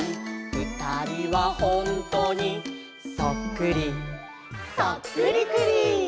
「ふたりはほんとにそっくり」「そっくりくり」